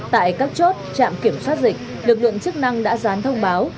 tại các chốt trạm kiểm soát dịch lực lượng chức năng đã gián thông báo